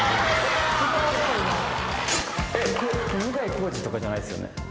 向井康二とかじゃないですよね？